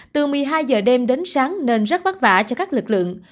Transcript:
từ một mươi hai h đêm đến sáng nên rất bất vả cho các lực lượng